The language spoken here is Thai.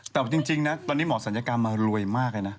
แต่จริงนะตอนนี้หมอศัลยกรรมมารวยมากเลยนะ